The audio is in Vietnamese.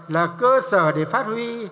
là cơ sở để phát huy